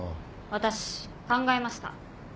私考えました。